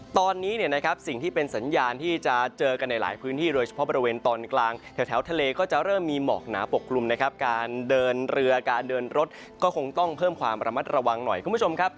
ตอนนี้เนี่ยนะครับสิ่งที่เป็นสัญญาณที่จะเจอกันในหลายพื้นที่โดยเฉพาะบริเวณตอนกลางแถวทะเลก็จะเริ่มมีหมอกหนาปกกลุ่มนะครับการเดินเรือการเดินรถก็คงต้องเพิ่มความระมัดระวังหน่อยคุณผู้ชมครับ